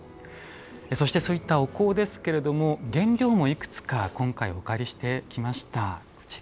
そして、そういったお香ですが原料もいくつか今回お借りしてきました。